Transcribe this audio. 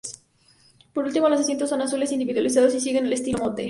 Por último, los asientos son azules, individualizados y siguen el estilo "Motte".